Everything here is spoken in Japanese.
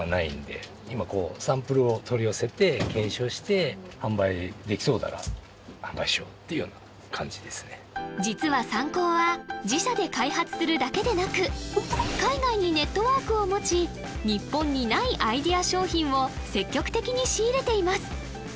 実はこの商品実はサンコーは自社で開発するだけでなく海外にネットワークを持ち日本にないアイデア商品を積極的に仕入れています